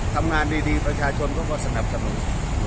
ทำงานดีประชาชนก็มาสนับสนุน